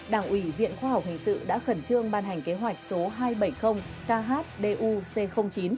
đảng ủy viện khoa học hình sự đã khẩn trương ban hành kế hoạch số hai trăm bảy mươi khdu c chín